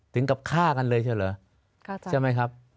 ถึงกับฆ่ากันเลยใช่ไหมครับ